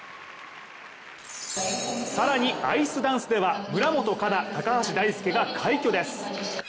さらに、アイスダンスでは村元哉中・高橋大輔が快挙です。